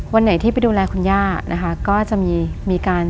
วันไหนที่ไปดูแลคุณย่านะคะก็จะมีมีการ